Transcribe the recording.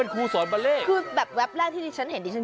คือแบบแว็บแรกที่ฉันเห็น